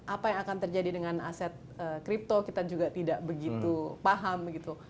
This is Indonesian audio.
apa yang akan terjadi dengan aset kripto kita juga tidak begitu paham gitu